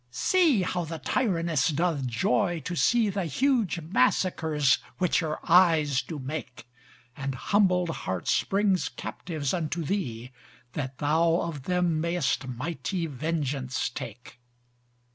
See how the Tyraness doth joy to see The huge massacres which her eyes do make: And humbled hearts brings captives unto thee, That thou of them mayst mighty vengeance take.